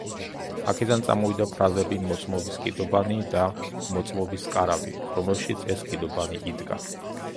აქედან წამოვიდა ფრაზები „მოწმობის კიდობანი“ და „მოწმობის კარავი“, რომელშიც ეს კიდობანი იდგა.